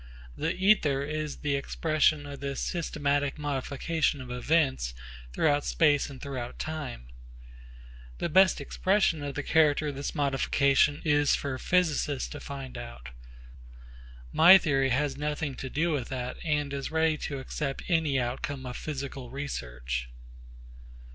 The ether is the expression of this systematic modification of events throughout space and throughout time. The best expression of the character of this modification is for physicists to find out. My theory has nothing to do with that and is ready to accept any outcome of physical research.